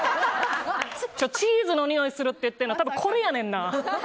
チーズのにおいするっていうの多分、これやねんな。